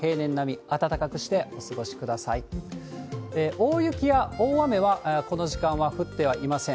大雪や大雨は、この時間は降ってはいません。